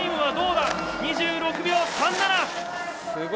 ２６秒３７。